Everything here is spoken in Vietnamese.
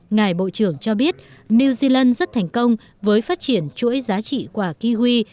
ngài bộ trưởng cho biết new zealand rất thành công với phát triển chuỗi giá trị quả ki huy